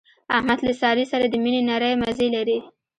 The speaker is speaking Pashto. احمد له سارې سره د مینې نری مزی لري.